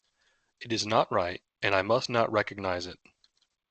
It is not right, and I must not recognize it.